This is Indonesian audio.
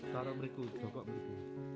taruh berikut toko berikut